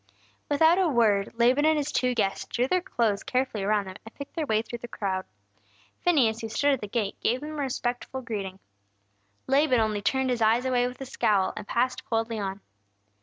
Without a word, Laban and his two guests drew their clothes carefully around them, and picked their way through the crowd. Phineas, who stood at the gate, gave them a respectful greeting. Laban only turned his eyes away with a scowl, and passed coldly on.